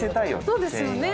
そうですよね。